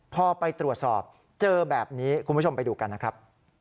พอไปตรวจสอบเจอแบบนี้คุณผู้ชมไปดูกันนะครับ